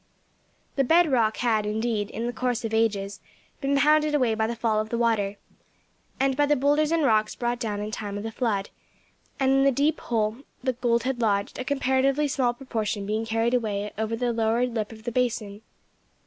The bed rock had indeed, in the course of ages, been pounded away by the fall of water, and by the boulders and rocks brought down in time of flood, and in the deep hole the gold had lodged, a comparatively small proportion being carried away over the lower lip of the basin.